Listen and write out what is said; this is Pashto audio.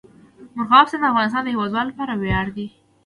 مورغاب سیند د افغانستان د هیوادوالو لپاره ویاړ دی.